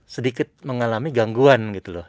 sedikit mengalami gangguan gitu loh